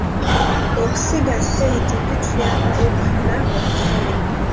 Okusiga ssente kituyamba okufuna omusolo.